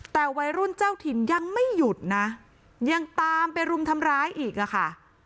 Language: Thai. แต่วัยรุ่นเจ้าถิ่นยังไม่หยุดนะยังตามไปรุมทำร้ายอีกอะค่ะ